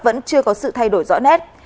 vẫn chưa có sự thay đổi rõ nét